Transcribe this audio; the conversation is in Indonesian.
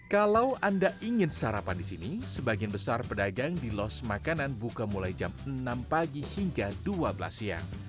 kalau anda ingin sarapan di sini sebagian besar pedagang di los makanan buka mulai jam enam pagi hingga dua belas siang